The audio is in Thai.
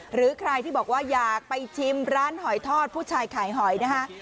หรือใครที่บอกว่าอยากไปชิมร้านหอยทอดผู้ชายขายหอยนะคะ